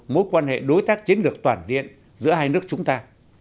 mối quan hệ đối tác chiến lược toàn diện giữa hai nước chúng ta